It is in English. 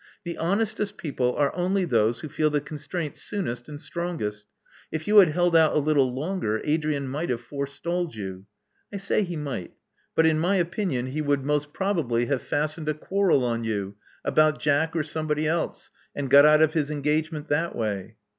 The honestest people are only those who feel the constraint soonest and strongest. If you had held out a little longer, Adrian might have fore stalled you. I say he might; but, in my opinion, he would most probably fastened a quarrel on you — about Jack or somebody else — and got out of his engagement that way."